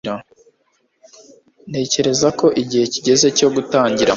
ntekereza ko igihe kigeze cyo gutangira